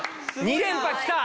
２連覇きた！